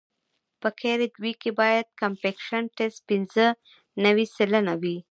په کیریج وې کې باید کمپکشن ټسټ پینځه نوي سلنه وي